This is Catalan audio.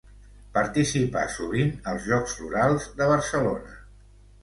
Participà sovint als Jocs Florals de Barcelona.